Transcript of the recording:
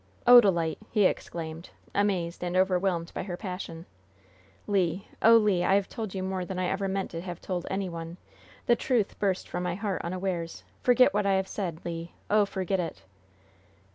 "Odalite!" he exclaimed, amazed and overwhelmed by her passion. "Le! Oh, Le! I have told you more than I meant ever to have told any one! The truth burst from my heart unawares. Forget what I have said, Le! Oh, forget it!"